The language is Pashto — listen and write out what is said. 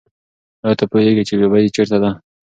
آیا ته پوهېږې چې ببۍ چېرته ده؟